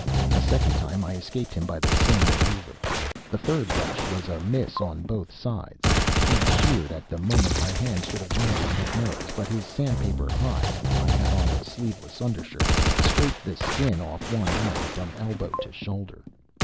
A second time I escaped him by the same manoeuvre. The third rush was a miss on both sides. He sheered at the moment my hands should have landed on his nose, but his sandpaper hide (I had on a sleeveless undershirt) scraped the skin off one arm from elbow to shoulder.